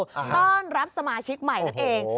ต้อนรับสมาชิกใหม่นั่นเอง